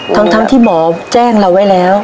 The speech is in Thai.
ทั้งที่หมอแจ้งเราไว้แล้ว